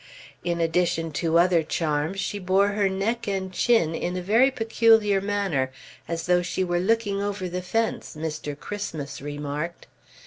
In addition to other charms, she bore her neck and chin in a very peculiar manner, as though she were looking over the fence, Mr. Christmas remarked.